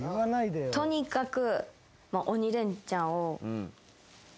とにかく。